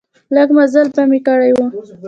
لږ مزل به مې کړی و.